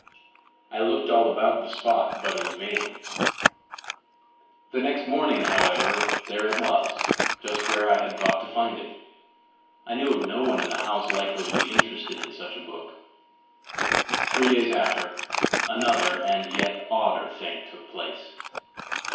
I looked all about the spot but in vain. The next morning, however, there it was, just where I had thought to find it! I knew of no one in the house likely to be interested in such a book. Three days after, another and yet odder thing took place.